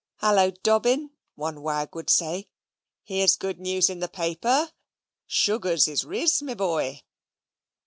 "Hullo, Dobbin," one wag would say, "here's good news in the paper. Sugars is ris', my boy."